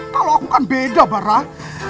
kalau aku kan beda barang